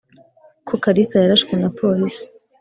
ko kalisa yarashwe na police